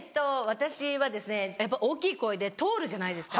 私はやっぱ大きい声で通るじゃないですか。